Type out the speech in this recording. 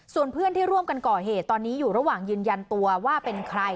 ส่วนเพื่อนที่ร่วมกันก่อเหตุตอนนี้อยู่ระหว่างยืนยันตัวว่าเป็นใคร